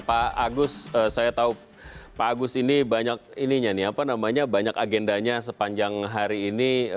pak agus saya tahu pak agus ini banyak ininya banyak agendanya sepanjang hari ini